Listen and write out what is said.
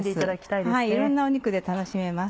いろんな肉で楽しめます。